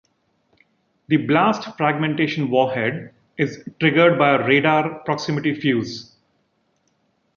The blast-fragmentation warhead is triggered by a radar proximity fuze.